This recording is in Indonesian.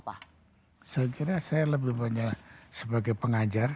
saya kira saya lebih banyak sebagai pengajar